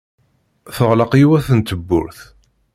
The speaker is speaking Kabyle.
Teɣleq yiwet n tewwurt.